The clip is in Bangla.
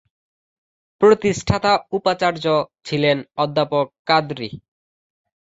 প্রতিষ্ঠাতা উপাচার্য ছিলেন অধ্যাপক কাদরী।